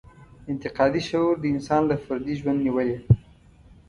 انتقادي شعور د انسان له فردي ژوند نېولې.